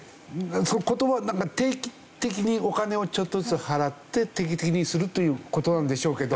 言葉なんか定期的にお金をちょっとずつ払って定期的にするという事なんでしょうけど。